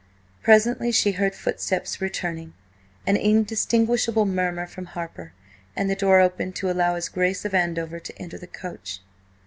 Presently she heard footsteps returning. An indistinguishable murmur from Harper, and the door opened to allow his Grace of Andover to enter the coach.